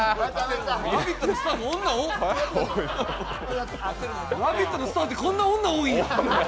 「ラヴィット！」のスタッフ、こんなに女多いんや。